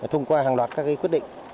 thông qua hàng loạt các quyết định